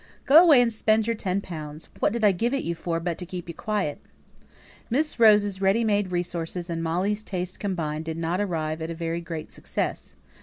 "Go away and spend your ten pounds. What did I give it you for but to keep you quiet?" Miss Rose's ready made resources and Molly's taste combined, did not arrive at a very great success.